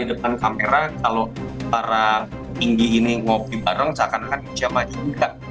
dengan kamera kalau para tinggi ini ngopi bareng seakan akan bisa maju juga